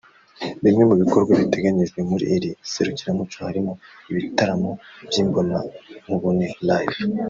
Bimwe mu bikorwa biteganijwe muri iri serukiramuco harimo ibitaramo by’imbonankubone (live)